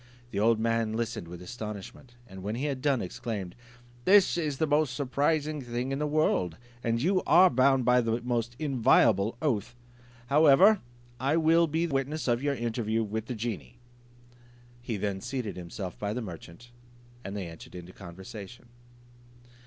The old man listened with astonishment, and when he had done, exclaimed, "This is the most surprising thing in the world! and you are bound by the most inviolable oath. However, I will be witness of your interview with the genie." He then seated himself by the merchant, and they entered into conversation.